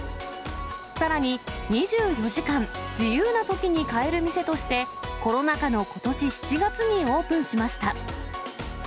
さらに、２４時間、自由なときに買える店として、コロナ禍のことし７月にオープンしました。